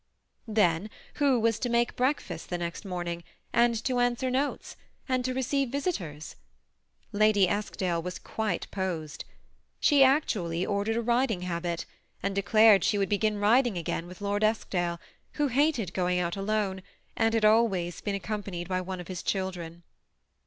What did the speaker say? Then who was to make breakfast the next morning, and to answer notes, and to receive visitors? Lady Eskdale was quite posed. She actually ordered a riding habit, and declared she would begin riding agsdn with Lord Esk dale, who hated going out alone, and bad always been 60 THE SBMI ATTACKEa) COUPLE. accompanied bj one of his children.